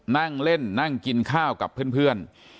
นั่งเล่นนั่งกินข้าวกับเพื่อน